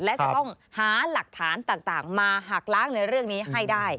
และจะต้องหาหลักฐานต่างมาหักล้างในเรื่องนี้ให้ได้